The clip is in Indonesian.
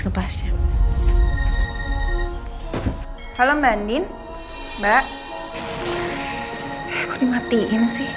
kita selesai kak